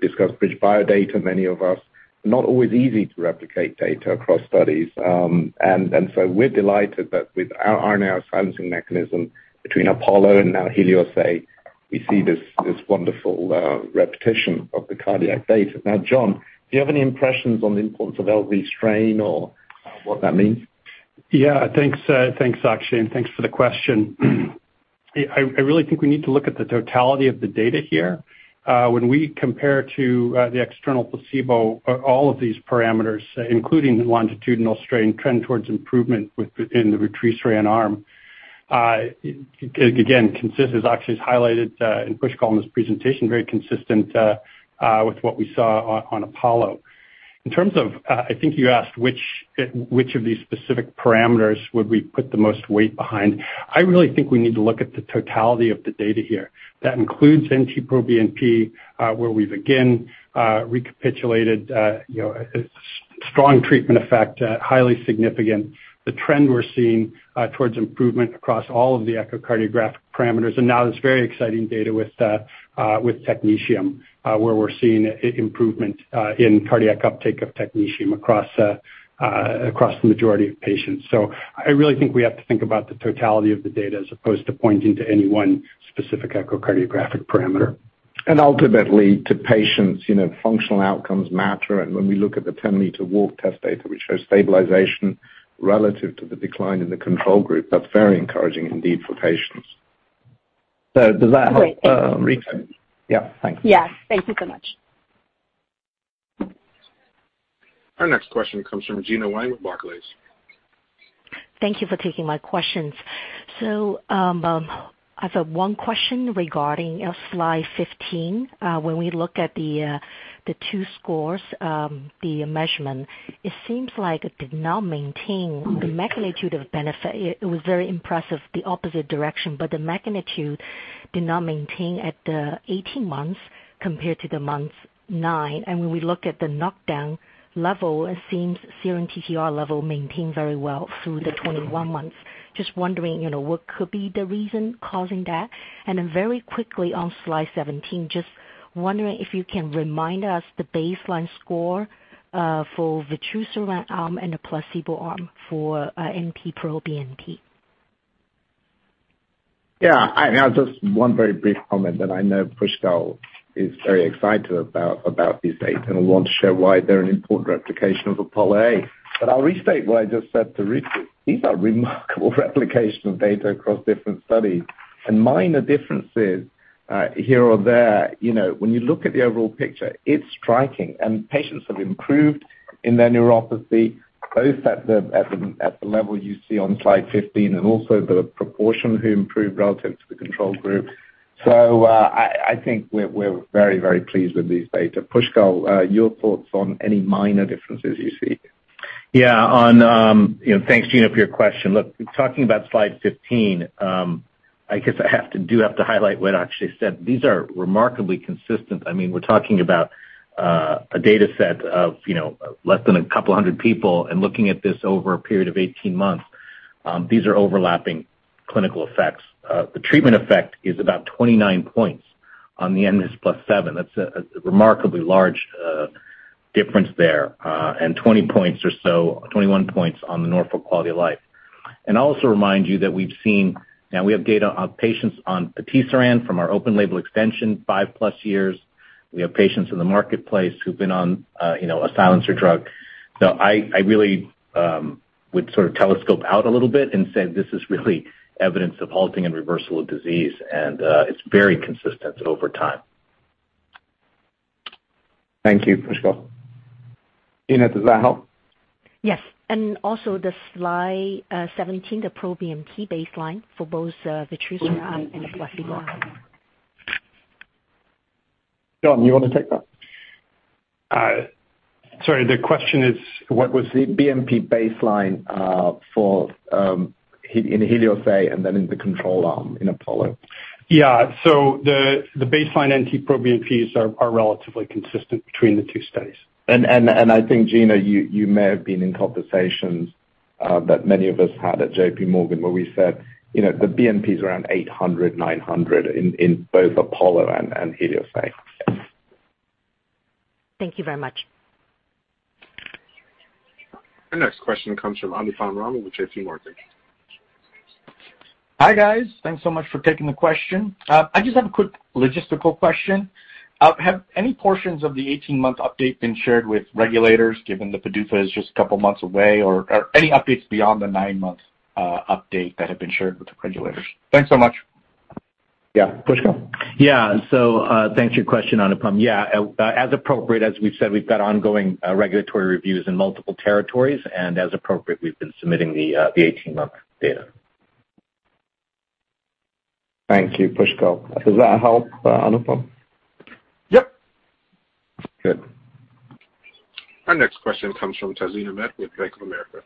discussed BridgeBio data, many of us. Not always easy to replicate data across studies. And so we're delighted that with our RNAi silencing mechanism between APOLLO and now HELIOS-A, we see this wonderful repetition of the cardiac data. Now, John, do you have any impressions on the importance of LV strain or what that means? Yeah. Thanks, Akshay. And thanks for the question. I really think we need to look at the totality of the data here. When we compare to the external placebo, all of these parameters, including the longitudinal strain, trend towards improvement within the vutrisiran arm. Again, consistent, as Akshay has highlighted and Pushkal in this presentation, very consistent with what we saw on APOLLO. In terms of, I think you asked which of these specific parameters would we put the most weight behind. I really think we need to look at the totality of the data here. That includes NT-proBNP, where we've again recapitulated strong treatment effect, highly significant, the trend we're seeing towards improvement across all of the echocardiographic parameters. And now there's very exciting data with technetium, where we're seeing improvement in cardiac uptake of technetium across the majority of patients. So I really think we have to think about the totality of the data as opposed to pointing to any one specific echocardiographic parameter. And ultimately, to patients, functional outcomes matter. And when we look at the 10-meter walk test data, we show stabilization relative to the decline in the control group. That's very encouraging indeed for patients. So does that help, Ritu? Yeah. Thanks. Yeah. Thank you so much. Our next question comes from Gena Wang with Barclays. Thank you for taking my questions. So I have one question regarding slide 15. When we look at the two scores, the measurement, it seems like it did not maintain the magnitude of benefit. It was very impressive, the opposite direction, but the magnitude did not maintain at the 18 months compared to the month nine. When we look at the knockdown level, it seems serum TTR level maintained very well through the 21 months. Just wondering what could be the reason causing that. Then very quickly on slide 17, just wondering if you can remind us the baseline score for vutrisiran arm and the placebo arm for NT-proBNP. Yeah. Now, just one very brief comment that I know Pushkal is very excited about these data and will want to share why they're an important replication of APOLLO. But I'll restate what I just said to Ritu. These are remarkable replications of data across different studies. And minor differences here or there, when you look at the overall picture, it's striking. Patients have improved in their neuropathy, both at the level you see on slide 15 and also the proportion who improved relative to the control group. So I think we're very, very pleased with these data. Pushkal, your thoughts on any minor differences you see? Yeah. Thanks, Gena, for your question. Look, talking about slide 15, I guess I do have to highlight what Akshay said. These are remarkably consistent. I mean, we're talking about a data set of less than a couple hundred people, and looking at this over a period of 18 months, these are overlapping clinical effects. The treatment effect is about 29 points on the mNIS+7. That's a remarkably large difference there, and 20 points or so, 21 points on the Norfolk Quality of Life. And I'll also remind you that we've seen now we have data on patients on patisiran from our open label extension, five-plus years. We have patients in the marketplace who've been on a silencer drug. So I really would sort of telescope out a little bit and say this is really evidence of halting and reversal of disease, and it's very consistent over time. Thank you, Pushkal. Gena, does that help? Yes. And also the slide 17, the NT-proBNP baseline for both vutrisiran and the placebo arm. John, you want to take that? Sorry. The question is, what was the BNP baseline in HELIOS-A and then in the control arm in APOLLO? Yeah. So the baseline NT-proBNPs are relatively consistent between the two studies. And I think, Gena, you may have been in conversations that many of us had at J.P. Morgan where we said the BNPs were around 800, 900 in both APOLLO and HELIOS-A. Thank you very much. Our next question comes from Anupam Rama with J.P. Morgan. Hi, guys. Thanks so much for taking the question. I just have a quick logistical question. Have any portions of the 18-month update been shared with regulators, given that PDUFA is just a couple months away, or any updates beyond the nine-month update that have been shared with the regulators? Thanks so much. Yeah. Pushkal? Yeah. So thanks for your question, Anupam. Yeah. As appropriate, as we've said, we've got ongoing regulatory reviews in multiple territories, and as appropriate, we've been submitting the 18-month data. Thank you, Pushkal. Does that help, Anupam? Yep. Good. Our next question comes from Tazeen Ahmad with Bank of America.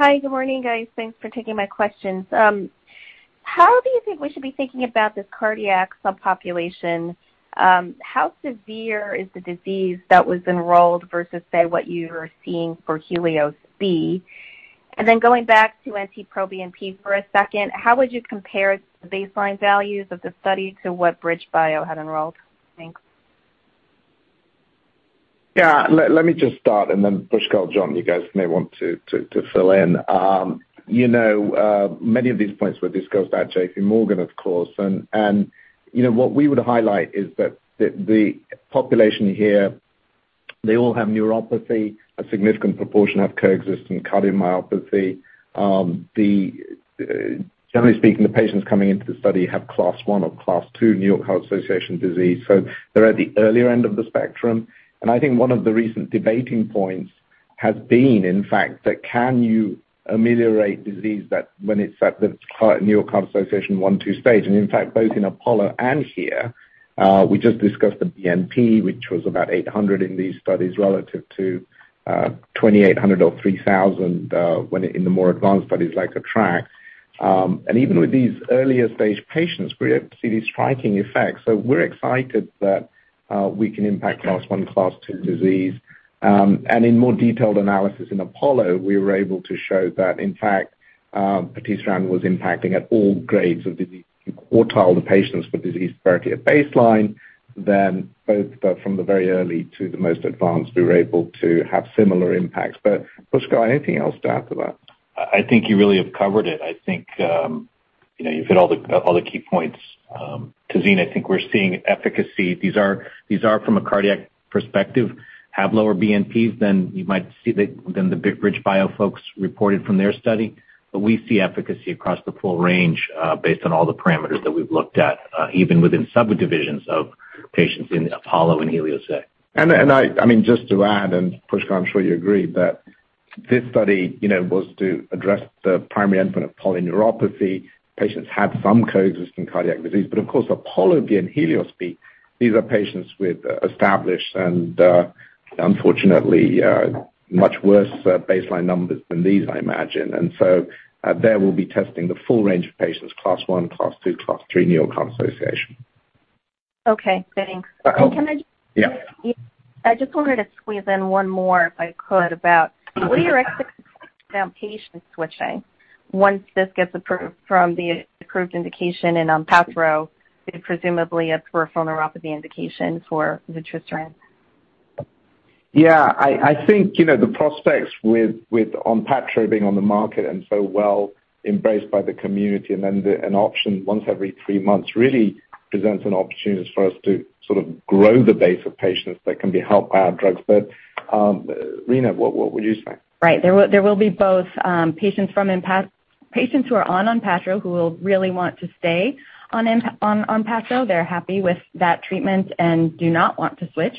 Hi. Good morning, guys. Thanks for taking my questions. How do you think we should be thinking about this cardiac subpopulation? How severe is the disease that was enrolled versus, say, what you were seeing for HELIOS-B? And then going back to NT-proBNP for a second, how would you compare the baseline values of the study to what BridgeBio had enrolled? Thanks. Yeah. Let me just start, and then Pushkal, John, you guys may want to fill in. Many of these points were discussed at JPMorgan, of course. And what we would highlight is that the population here, they all have neuropathy. A significant proportion have coexisting cardiomyopathy. Generally speaking, the patients coming into the study have Class I or Class II New York Heart Association disease. So they're at the earlier end of the spectrum. I think one of the recent debating points has been, in fact, that can you ameliorate disease when it's at the New York Heart Association one-two stage? In fact, both in APOLLO and here, we just discussed the BNP, which was about 800 in these studies relative to 2,800 or 3,000 in the more advanced studies like ATTR. Even with these earlier stage patients, we're able to see these striking effects. We're excited that we can impact Class I and Class II disease. In more detailed analysis in APOLLO, we were able to show that, in fact, patisiran was impacting at all grades of disease. We quartiled the patients for disease severity at baseline, then both from the very early to the most advanced, we were able to have similar impacts. Pushkal, anything else to add to that? I think you really have covered it. I think you've hit all the key points. Tazeen, I think we're seeing efficacy. These are, from a cardiac perspective, have lower BNPs than the BridgeBio folks reported from their study. But we see efficacy across the full range based on all the parameters that we've looked at, even within subdivisions of patients in APOLLO and HELIOS-A. And I mean, just to add, and Pushkal, I'm sure you agree, that this study was to address the primary endpoint of polyneuropathy. Patients had some coexisting cardiac disease. But of course, APOLLO-B and HELIOS-B, these are patients with established and, unfortunately, much worse baseline numbers than these, I imagine. And so there will be testing the full range of patients, Class I, Class II, Class III New York Heart Association. Okay. Thanks, and can I just? Yeah. I just wanted to squeeze in one more, if I could, about what are your expectations around patient switching once this gets approved from the approved indication in Onpattro, presumably a peripheral neuropathy indication for vutrisiran? Yeah. I think the prospects with Onpattro being on the market and so well embraced by the community and then an option once every three months really presents an opportunity for us to sort of grow the base of patients that can be helped by our drugs. But Rena, what would you say? Right. There will be both patients who are on Onpattro who will really want to stay on Onpattro. They're happy with that treatment and do not want to switch.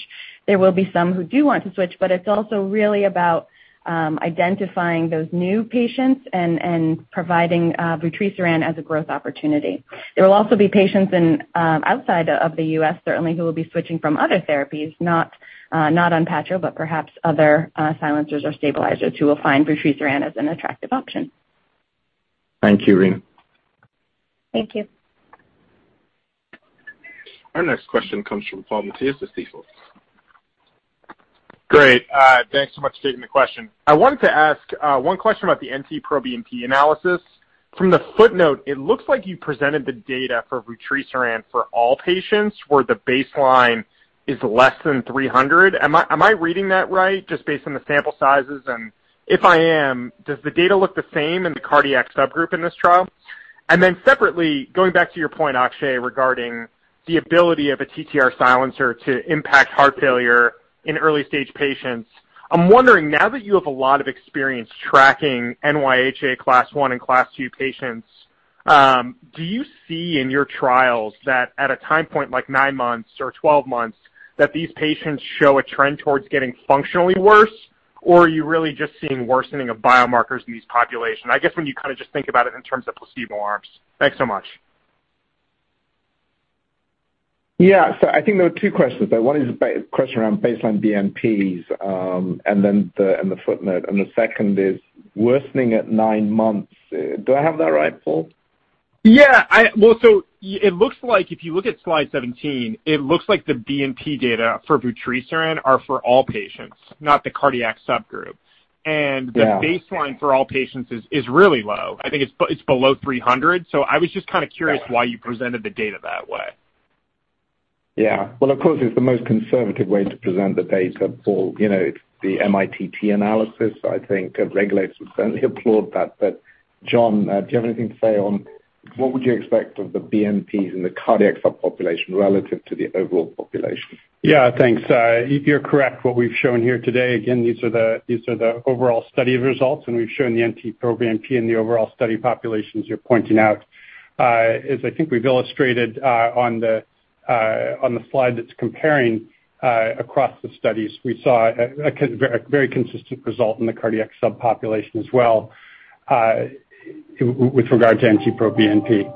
There will be some who do want to switch, but it's also really about identifying those new patients and providing vutrisiran as a growth opportunity. There will also be patients outside of the U.S., certainly, who will be switching from other therapies, not Onpattro, but perhaps other silencers or stabilizers who will find Vutrisiran as an attractive option. Thank you, Rena. Thank you. Our next question comes from Paul Matteis with Stifel. Great. Thanks so much for taking the question. I wanted to ask one question about the NT-proBNP analysis. From the footnote, it looks like you presented the data for Vutrisiran for all patients where the baseline is less than 300. Am I reading that right, just based on the sample sizes? And if I am, does the data look the same in the cardiac subgroup in this trial? And then separately, going back to your point, Akshay, regarding the ability of a TTR silencer to impact heart failure in early-stage patients, I'm wondering, now that you have a lot of experience tracking NYHA Class I and Class II patients, do you see in your trials that at a time point like nine months or 12 months, that these patients show a trend towards getting functionally worse, or are you really just seeing worsening of biomarkers in these populations? I guess when you kind of just think about it in terms of placebo arms. Thanks so much. Yeah. So I think there were two questions. One is a question around baseline BNPs and the footnote. And the second is worsening at nine months. Do I have that right, Paul? Yeah. Well, so it looks like if you look at slide 17, it looks like the BNP data for vutrisiran are for all patients, not the cardiac subgroup. And the baseline for all patients is really low. I think it's below 300. So I was just kind of curious why you presented the data that way. Yeah. Well, of course, it's the most conservative way to present the data for the MITT analysis. I think regulators would certainly applaud that. But John, do you have anything to say on what would you expect of the BNPs in the cardiac subpopulation relative to the overall population? Yeah. Thanks. You're correct. What we've shown here today, again, these are the overall study results, and we've shown the NT-proBNP in the overall study populations. You're pointing out, as I think we've illustrated on the slide that's comparing across the studies, we saw a very consistent result in the cardiac subpopulation as well with regard to NT-proBNP.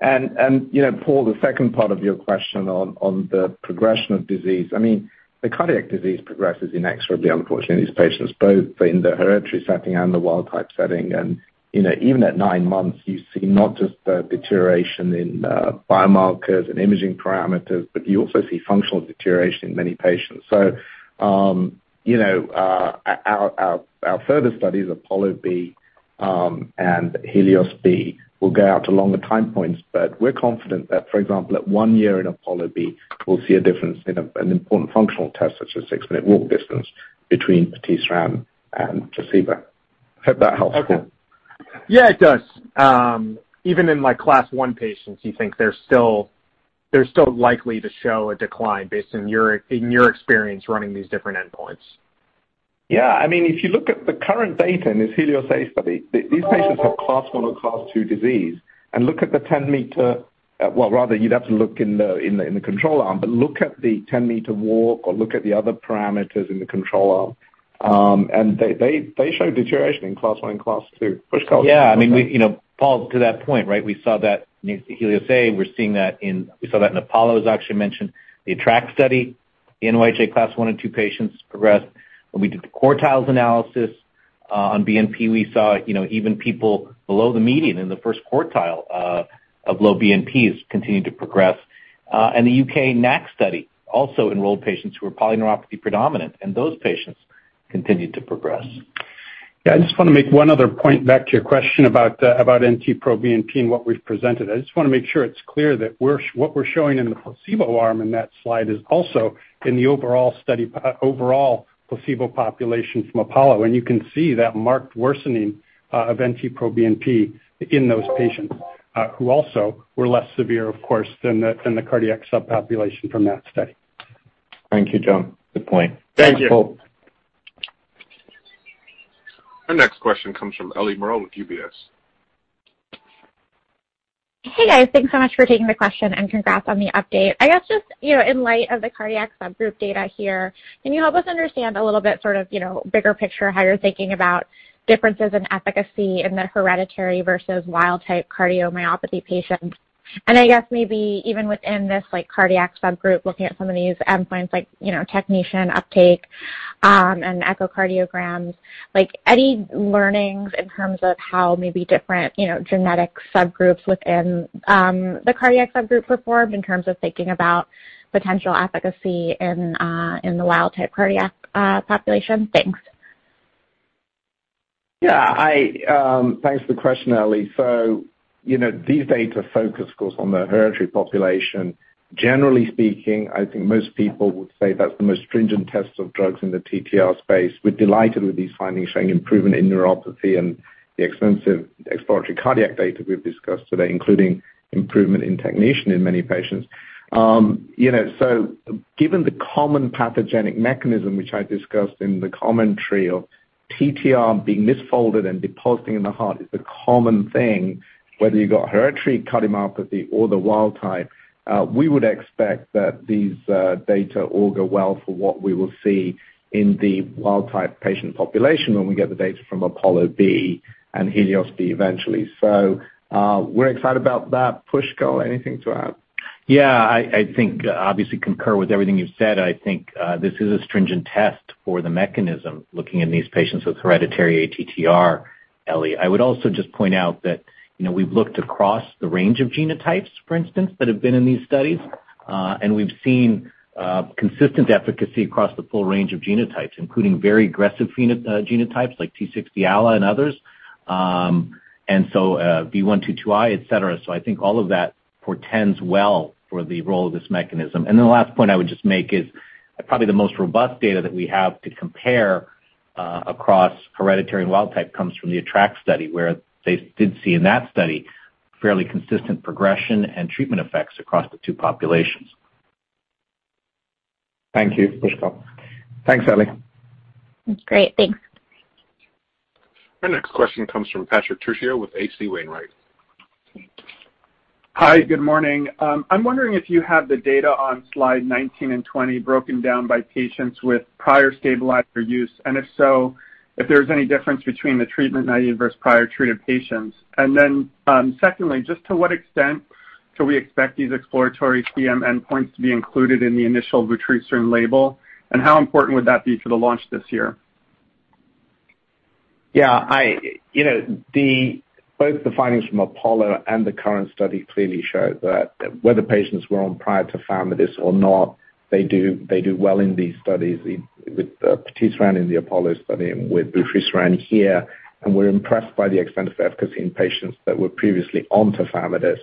And Paul, the second part of your question on the progression of disease, I mean, the cardiac disease progresses inexorably, unfortunately, in these patients, both in the hereditary setting and the wild-type setting. And even at nine months, you see not just the deterioration in biomarkers and imaging parameters, but you also see functional deterioration in many patients. So our further studies, APOLLO-B and HELIOS-B, will go out to longer time points, but we're confident that, for example, at one year in APOLLO-B, we'll see a difference in an important functional test such as six-minute walk distance between patisiran and placebo. Hope that helps. Okay. Yeah, it does. Even in Class I patients, you think they're still likely to show a decline based on your experience running these different endpoints. Yeah. I mean, if you look at the current data in this HELIOS- study, these patients have Class I or Class II disease. And look at the 10-meter walk. Rather, you'd have to look in the control arm, but look at the 10-meter walk or look at the other parameters in the control arm. And they show deterioration in Class I and Class II. Pushkal, you think? Yeah. I mean, Paul, to that point, right? We saw that in HELIOS-A. We saw that in APOLLO, as Akshay mentioned, the ATTR study. The NYHA Class I and II patients progressed. When we did the quartiles analysis on BNP, we saw even people below the median in the first quartile of low BNPs continue to progress. And the U.K. NAC study also enrolled patients who were polyneuropathy predominant, and those patients continued to progress. Yeah. I just want to make one other point back to your question about NT-proBNP and what we've presented. I just want to make sure it's clear that what we're showing in the placebo arm in that slide is also in the overall placebo population from APOLLO. And you can see that marked worsening of NT-proBNP in those patients who also were less severe, of course, than the cardiac subpopulation from that study. Thank you, John. Good point. Thank you. Thank you, Paul. Our next question comes from Ellie Merle with UBS. Hey, guys. Thanks so much for taking the question and congrats on the update. I guess just in light of the cardiac subgroup data here, can you help us understand a little bit sort of bigger picture how you're thinking about differences in efficacy in the hereditary versus wild-type cardiomyopathy patients? And I guess maybe even within this cardiac subgroup, looking at some of these endpoints like technetium uptake and echocardiograms, any learnings in terms of how maybe different genetic subgroups within the cardiac subgroup performed in terms of thinking about potential efficacy in the wild-type cardiac population? Thanks. Yeah. Thanks for the question, Ellie. So these data focus, of course, on the hereditary population. Generally speaking, I think most people would say that's the most stringent test of drugs in the TTR space. We're delighted with these findings showing improvement in neuropathy and the extensive exploratory cardiac data we've discussed today, including improvement in technetium in many patients. Given the common pathogenic mechanism, which I discussed in the commentary of TTR being misfolded and depositing in the heart, is the common thing, whether you've got hereditary cardiomyopathy or the wild-type, we would expect that these data all go well for what we will see in the wild-type patient population when we get the data from APOLLO-B and HELIOS-B eventually. So we're excited about that. Pushkal, anything to add? Yeah. I think, obviously, concur with everything you've said. I think this is a stringent test for the mechanism looking at these patients with hereditary ATTR, Ellie. I would also just point out that we've looked across the range of genotypes, for instance, that have been in these studies, and we've seen consistent efficacy across the full range of genotypes, including very aggressive genotypes like T60A and others, and so V122I, etc. So I think all of that portends well for the role of this mechanism. And then the last point I would just make is probably the most robust data that we have to compare across hereditary and wild-type comes from the ATTR-ACT study where they did see in that study fairly consistent progression and treatment effects across the two populations. Thank you, Pushkal. Thanks, Ellie. That's great. Thanks. Our next question comes from Patrick Trucchio with H.C. Wainwright. Hi. Good morning. I'm wondering if you have the data on slide 19 and 20 broken down by patients with prior stabilizer use, and if so, if there's any difference between the treatment naive versus prior treated patients. And then secondly, just to what extent can we expect these exploratory CM endpoints to be included in the initial vutrisiran label, and how important would that be for the launch this year? Yeah. Both the findings from APOLLO and the current study clearly show that whether patients were on prior to tafamidis or not, they do well in these studies with patisiran in the APOLLO study and with vutrisiran here. We're impressed by the extent of efficacy in patients that were previously on tafamidis.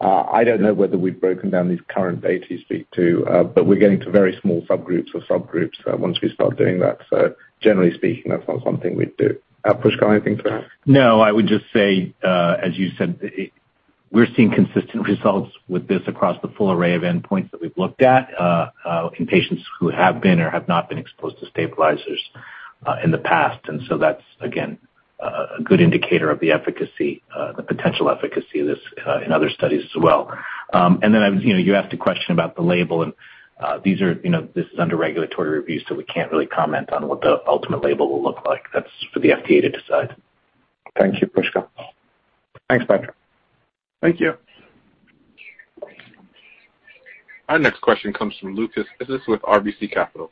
I don't know whether we've broken down these current data you speak to, but we're getting to very small subgroups or subgroups once we start doing that. Generally speaking, that's not something we'd do. Pushkal, anything to add? No. I would just say, as you said, we're seeing consistent results with this across the full array of endpoints that we've looked at in patients who have been or have not been exposed to stabilizers in the past. And so that's, again, a good indicator of the efficacy, the potential efficacy of this in other studies as well. And then you asked a question about the label, and this is under regulatory review, so we can't really comment on what the ultimate label will look like. That's for the FDA to decide. Thank you, Pushkal. Thanks, Patrick. Thank you. Our next question comes from Luca Issi with RBC Capital.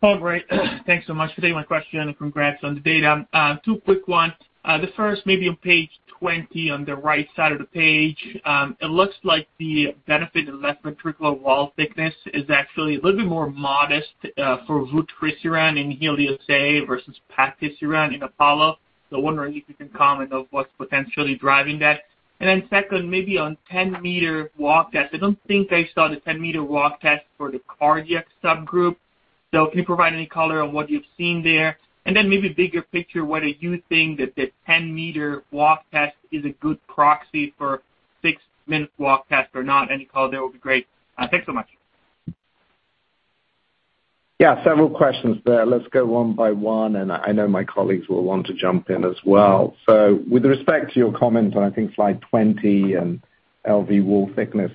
Paul, great. Thanks so much for taking my question and congrats on the data. Two quick ones. The first, maybe on page 20 on the right side of the page, it looks like the benefit in left ventricular wall thickness is actually a little bit more modest for vutrisiran in HELIOS-A versus patisiran in APOLLO-B. So wondering if you can comment on what's potentially driving that. And then second, maybe on 10-meter walk test. I don't think I saw the 10-meter walk test for the cardiac subgroup. So can you provide any color on what you've seen there? And then maybe bigger picture, whether you think that the 10-meter walk test is a good proxy for six-minute walk test or not. Any color there would be great. Thanks so much. Yeah. Several questions there. Let's go one by one, and I know my colleagues will want to jump in as well. So with respect to your comment on, I think, slide 20 and LV wall thickness,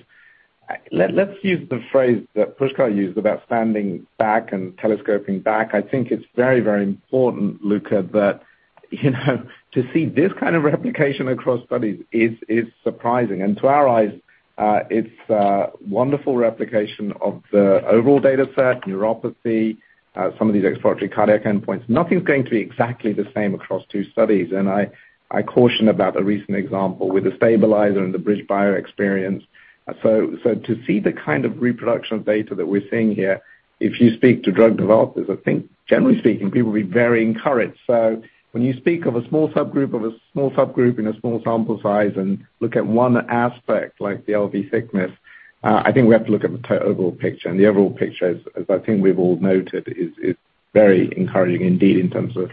let's use the phrase that Pushkal used about standing back and telescoping back. I think it's very, very important, Luca, that to see this kind of replication across studies is surprising. And to our eyes, it's a wonderful replication of the overall data set, neuropathy, some of these exploratory cardiac endpoints. Nothing's going to be exactly the same across two studies, and I caution about a recent example with a stabilizer and the BridgeBio experience, so to see the kind of reproduction of data that we're seeing here, if you speak to drug developers, I think, generally speaking, people will be very encouraged, so when you speak of a small subgroup of a small subgroup in a small sample size and look at one aspect like the LV thickness, I think we have to look at the overall picture, and the overall picture, as I think we've all noted, is very encouraging indeed in terms of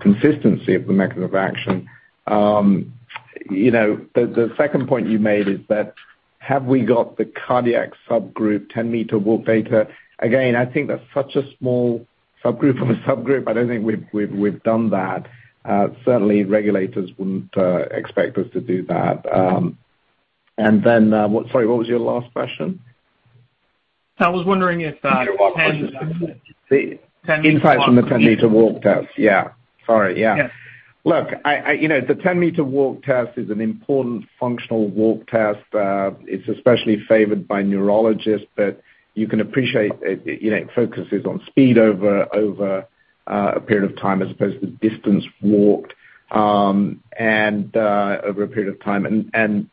consistency of the mechanism of action. The second point you made is that: have we got the cardiac subgroup 10-meter walk data? Again, I think that's such a small subgroup of a subgroup. I don't think we've done that. Certainly, regulators wouldn't expect us to do that. And then what, sorry, what was your last question? I was wondering if 10-meters walk test. Insights from the 10-meter walk test. Yeah. Sorry. Yeah. Look, the 10-meter walk test is an important functional walk test. It's especially favored by neurologists, but you can appreciate it focuses on speed over a period of time as opposed to distance walked over a period of time. And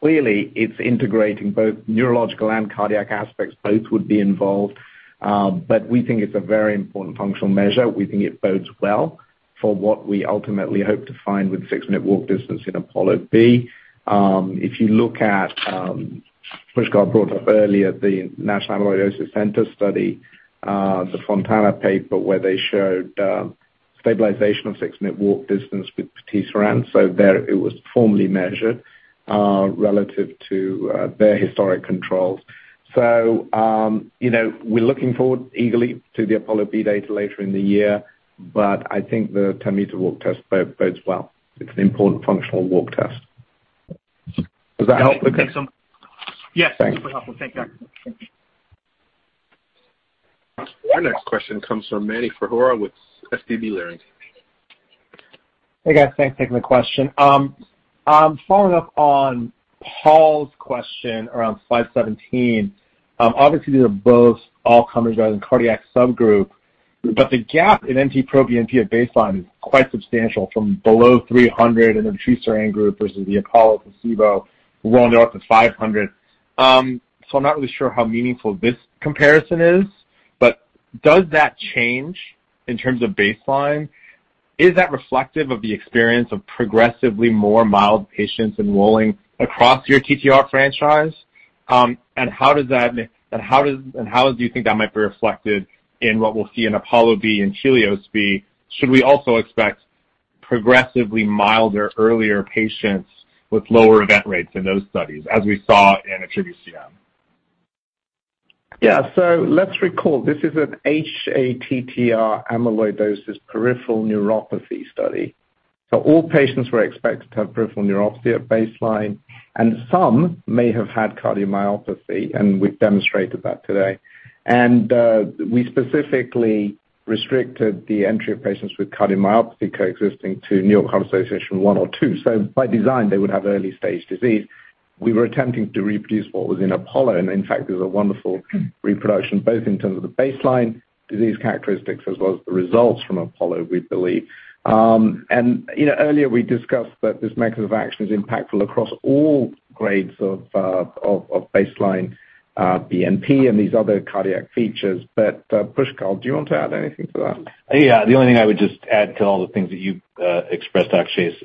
clearly, it's integrating both neurological and cardiac aspects. Both would be involved. But we think it's a very important functional measure. We think it bodes well for what we ultimately hope to find with six-minute walk distance in APOLLO-B. If you look at, Pushkal brought up earlier the National Amyloidosis Centre study, the Fontana paper where they showed stabilization of six-minute walk distance with patisiran. So it was formally measured relative to their historic controls. So we're looking forward eagerly to the APOLLO-B data later in the year, but I think the 10-meter walk test bodes well. It's an important functional walk test. Does that help, Luca? Yes. Thanks. Super helpful. Thank you, Akshay. Thank you. Our next question comes from Mani Foroohar with SVB Leerink. Hey, guys. Thanks for taking the question. Following up on Paul's question around slide 17, obviously, these are both all common regarding cardiac subgroup, but the gap in NT-proBNP at baseline is quite substantial from below 300 in the vutrisiran group versus the APOLLO placebo rolling up to 500. So I'm not really sure how meaningful this comparison is, but does that change in terms of baseline? Is that reflective of the experience of progressively more mild patients enrolling across your TTR franchise? And how do you think that might be reflected in what we'll see in APOLLO-B and HELIOS-B? Should we also expect progressively milder, earlier patients with lower event rates in those studies as we saw in ATTRibute-CM? Yeah. So let's recall this is an hATTR amyloidosis peripheral neuropathy study. So all patients were expected to have peripheral neuropathy at baseline, and some may have had cardiomyopathy, and we've demonstrated that today. And we specifically restricted the entry of patients with cardiomyopathy coexisting to New York Heart Association I or II. So by design, they would have early-stage disease. We were attempting to reproduce what was in APOLLO, and in fact, there's a wonderful reproduction both in terms of the baseline disease characteristics as well as the results from APOLLO, we believe. Earlier, we discussed that this mechanism of action is impactful across all grades of baseline BNP and these other cardiac features. But Pushkal, do you want to add anything to that? Yeah. The only thing I would just add to all the things that you expressed, Akshay, is,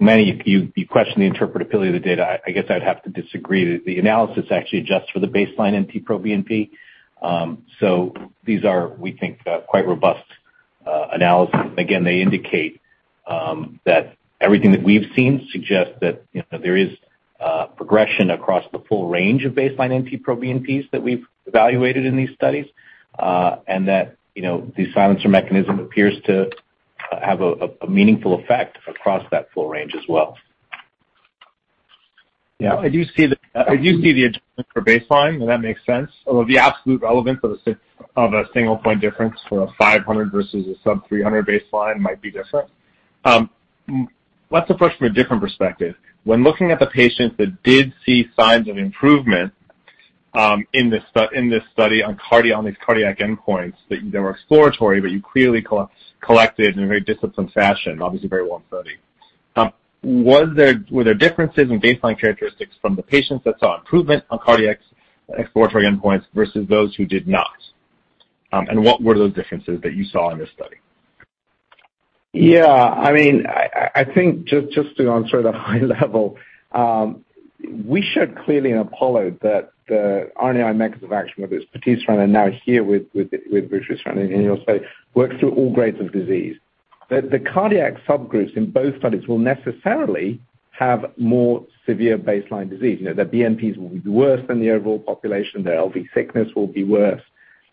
Manny, you questioned the interpretability of the data. I guess I'd have to disagree. The analysis actually adjusts for the baseline NT-proBNP. So these are, we think, quite robust analyses. Again, they indicate that everything that we've seen suggests that there is progression across the full range of baseline NT-proBNPs that we've evaluated in these studies, and that the silencer mechanism appears to have a meaningful effect across that full range as well. Yeah. I do see the adjustment for baseline, and that makes sense. Although the absolute relevance of a single point difference for a 500 versus a sub-300 baseline might be different. Let's approach from a different perspective. When looking at the patients that did see signs of improvement in this study on these cardiac endpoints that were exploratory, but you clearly collected in a very disciplined fashion, obviously very well in study, were there differences in baseline characteristics from the patients that saw improvement on cardiac exploratory endpoints versus those who did not? And what were those differences that you saw in this study? Yeah. I mean, I think just to answer at a high level, we showed clearly in APOLLO that the RNAi mechanism of action, whether it's patisiran and now here with vutrisiran in HELIOS-A, works through all grades of disease. The cardiac subgroups in both studies will necessarily have more severe baseline disease. Their BNPs will be worse than the overall population. Their LV thickness will be worse.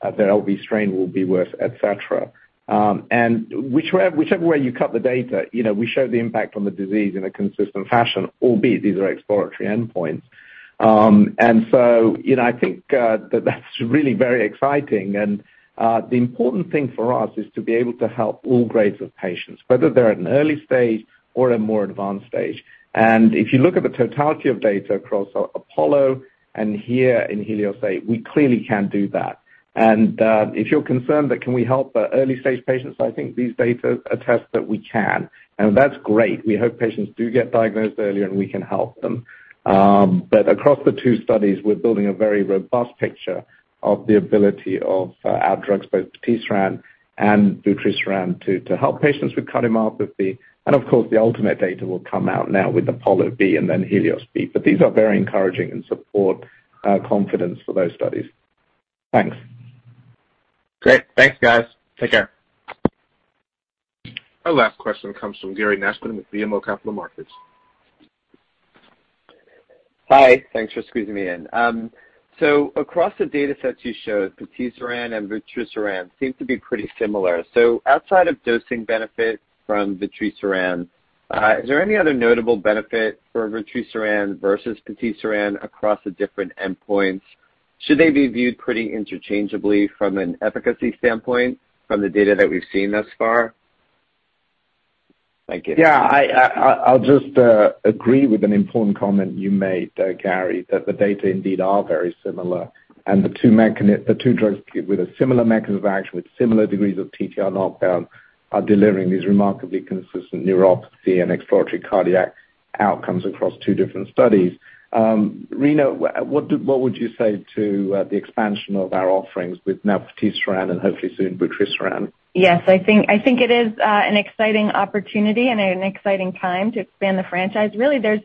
Their LV strain will be worse, etc. And whichever way you cut the data, we showed the impact on the disease in a consistent fashion, albeit these are exploratory endpoints. And so I think that that's really very exciting. And the important thing for us is to be able to help all grades of patients, whether they're at an early stage or a more advanced stage. And if you look at the totality of data across APOLLO and here in HELIOS-A, we clearly can do that. And if you're concerned that can we help early-stage patients, I think these data attest that we can. And that's great. We hope patients do get diagnosed earlier, and we can help them. But across the two studies, we're building a very robust picture of the ability of our drugs, both patisiran and vutrisiran, to help patients with cardiomyopathy. And of course, the ultimate data will come out now with APOLLO-B and then HELIOS-B. But these are very encouraging and support confidence for those studies. Thanks. Great. Thanks, guys. Take care. Our last question comes from Gary Nachman with BMO Capital Markets. Hi. Thanks for squeezing me in. So across the data sets you showed, patisiran and vutrisiran seem to be pretty similar. So outside of dosing benefit from vutrisiran, is there any other notable benefit for vutrisiran versus patisiran across the different endpoints? Should they be viewed pretty interchangeably from an efficacy standpoint from the data that we've seen thus far? Thank you. Yeah. I'll just agree with an important comment you made, Gary, that the data indeed are very similar, and the two drugs with a similar mechanism of action with similar degrees of TTR knockdown are delivering these remarkably consistent neuropathy and exploratory cardiac outcomes across two different studies. Rena, what would you say to the expansion of our offerings with now patisiran and hopefully soon vutrisiran? Yes. I think it is an exciting opportunity and an exciting time to expand the franchise. Really, there's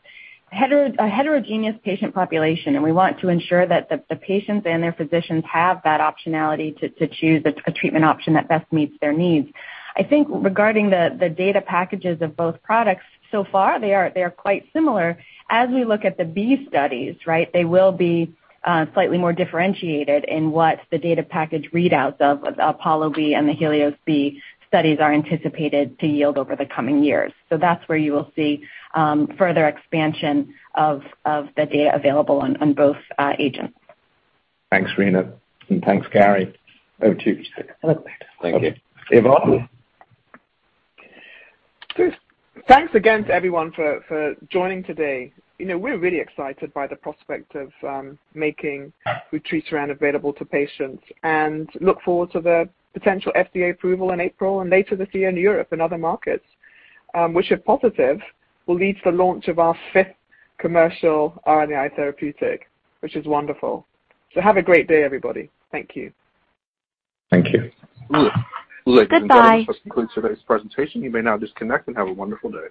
a heterogeneous patient population, and we want to ensure that the patients and their physicians have that optionality to choose a treatment option that best meets their needs. I think regarding the data packages of both products, so far, they are quite similar. As we look at the B studies, right, they will be slightly more differentiated in what the data package readouts of APOLLO-B and the HELIOS-B studies are anticipated to yield over the coming years. So that's where you will see further expansion of the data available on both agents. Thanks, Rena. And thanks, Gary. Over to you, Pushkal. Thank you. Yvonne. Thanks again to everyone for joining today. We're really excited by the prospect of making vutrisiran available to patients and look forward to the potential FDA approval in April and later this year in Europe and other markets, which, if positive, will lead to the launch of our fifth commercial RNAi therapeutic, which is wonderful. So have a great day, everybody. Thank you. Thank you. Goodbye. Goodbye. That concludes today's presentation. You may now disconnect and have a wonderful day.